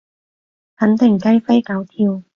肯定雞飛狗跳